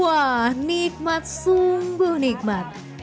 wah nikmat sungguh nikmat